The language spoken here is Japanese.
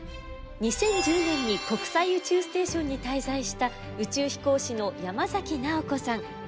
２０１０年に国際宇宙ステーションに滞在した宇宙飛行士の山崎直子さん。